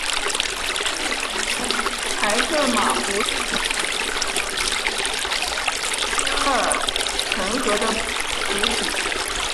目前台特玛湖现有水源主要来自车尔臣河的补给。